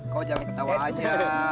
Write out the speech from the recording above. kau jangan ketawa aja